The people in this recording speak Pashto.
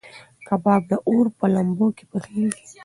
کباب د اور په لمبو کې پخېږي.